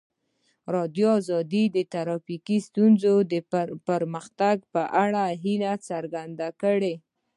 ازادي راډیو د ټرافیکي ستونزې د پرمختګ په اړه هیله څرګنده کړې.